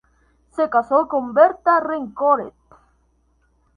Se casó con Berta Rencoret.